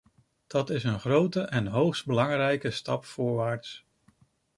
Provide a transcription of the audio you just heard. Dat is een grote en hoogst belangrijke stap voorwaarts.